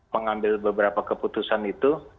mengambil beberapa keputusan itu